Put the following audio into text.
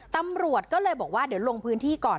ตำรวจก็เลยบอกว่าเดี๋ยวลงพื้นที่ก่อน